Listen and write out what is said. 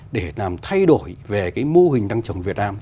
để làm thay đổi về mô hình tăng trồng việt nam